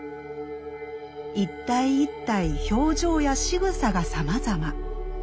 一体一体表情やしぐさがさまざま。